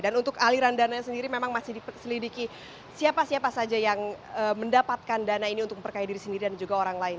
dan untuk aliran dana sendiri memang masih diperselidiki siapa siapa saja yang mendapatkan dana ini untuk memperkaya diri sendiri dan juga orang lain